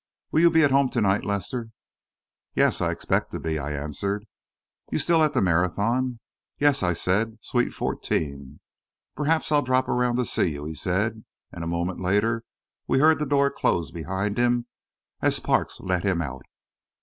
Will you be at home to night, Lester?" "Yes, I expect to be," I answered. "You're still at the Marathon?" "Yes," I said; "suite fourteen." "Perhaps I'll drop around to see you," he said, and a moment later we heard the door close behind him as Parks let him out.